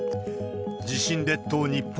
地震列島、日本。